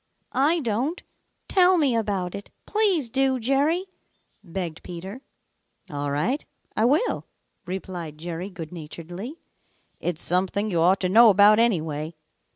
"I don't. Tell me about it. Please do, Jerry," begged Peter. "All right, I will," replied Jerry good naturedly. "It's something you ought to know about, anyway.